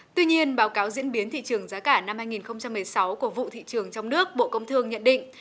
tuy nhiên báo cáo diễn biến thị trường giá cả năm hai nghìn một mươi sáu của vụ thị trường trong nước bộ công thương nhận định